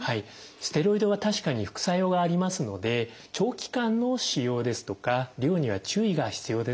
ステロイドは確かに副作用がありますので長期間の使用ですとか量には注意が必要です。